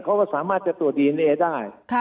เขาก็สามารถจะตรวจดีเอนเอได้